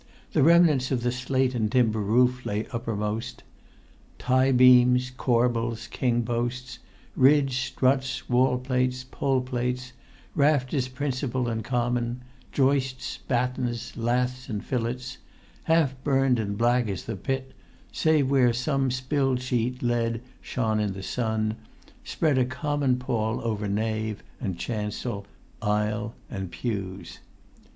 The remnants of the slate and timber roof lay uppermost. Tie beams, corbels, king posts, ridge, struts, wall plates, pole plates, rafters principal and common, joists, battens, laths and fillets, half burnt and black as the pit, save where some spilled sheet lead shone in the sun, spread a common pall over nave and chancel, aisle and pews.